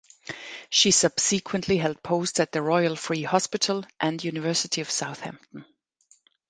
She subsequently held posts at the Royal Free Hospital and University of Southampton.